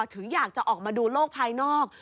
ถึงอยากจะออกมาดูโลกภายนอก